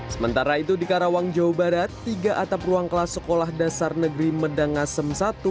sementara itu di karawang jawa barat tiga atap ruang kelas sekolah dasar negeri medangasem i